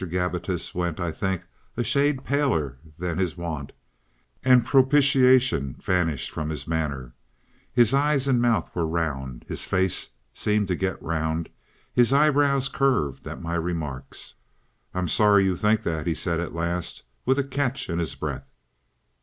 Gabbitas went, I think, a shade paler than his wont, and propitiation vanished from his manner. His eyes and mouth were round, his face seemed to get round, his eyebrows curved at my remarks. "I'm sorry you think that," he said at last, with a catch in his breath.